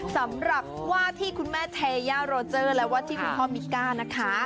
สำหรับว่าที่คุณแม่เทย่าแล้วว่าที่ขุนพ่อมิก้านะคะ